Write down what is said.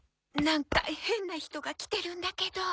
なんか変な人が来てるんだけど。